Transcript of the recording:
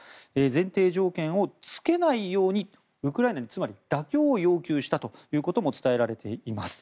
前提条件をつけないようにウクライナにつまり妥協を要求したということも伝えられています。